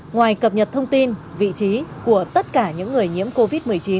ngoài cập nhật thông tin vị trí của tất cả những người nhiễm covid một mươi chín